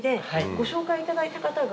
ご紹介いただいた方が。